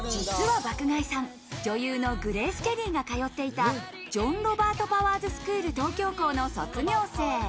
実は爆買いさん、女優のグレース・ケリーが通っていたジョン・ロバート・パワーズスクール東京校の卒業生。